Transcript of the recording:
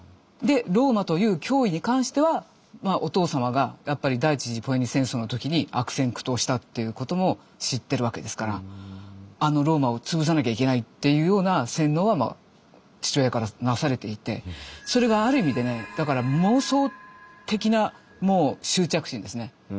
でローマという脅威に関してはお父様がやっぱり第１次ポエニ戦争の時に悪戦苦闘したっていうことも知ってるわけですからあのローマを潰さなきゃいけないっていうような洗脳は父親からなされていてそれがある意味でねだから妄想的なもう執着心ですね。